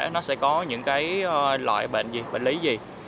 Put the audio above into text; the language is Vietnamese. nó sẽ có những loại bệnh lý gì